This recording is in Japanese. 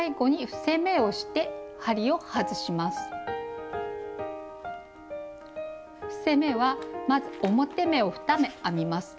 伏せ目はまず表目を２目編みます。